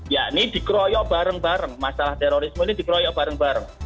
ya ini dikroyok bareng bareng masalah terorisme ini dikroyok bareng bareng